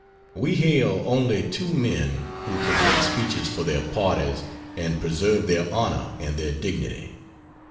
We hail only two men who could make speeches for their parties and preserve their honor and their dignity.